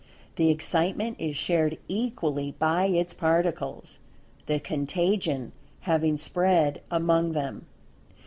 The excitement is shared equally by its Particles, the "contagion" having spread among them.